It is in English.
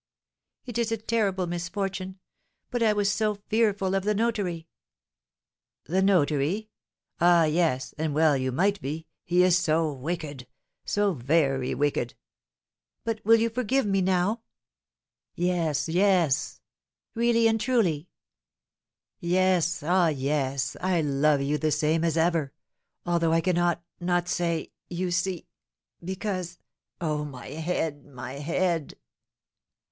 "It is a terrible misfortune; but I was so fearful of the notary." "The notary? Ah, yes, and well you might be; he is so wicked, so very wicked!" "But you will forgive me now?" "Yes, yes." "Really and truly?" "Yes ah, yes! Ah! I love you the same as ever, although I cannot not say you see because oh, my head, my head!"